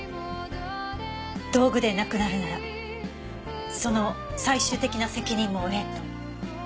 道具でなくなるならその最終的な責任も負えと？